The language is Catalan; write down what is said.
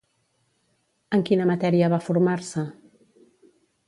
En quina matèria va formar-se?